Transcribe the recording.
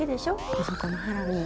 あそこのハラミ。